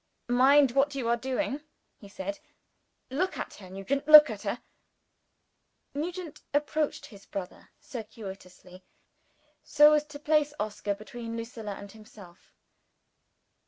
"Mind what you are doing!" he said. "Look at her, Nugent look at her." Nugent approached his brother, circuitously, so as to place Oscar between Lucilla and himself.